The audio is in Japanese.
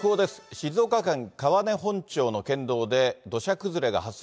静岡県川根本町の県道で、土砂崩れが発生。